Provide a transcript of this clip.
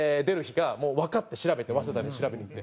調べて早稲田に調べに行って。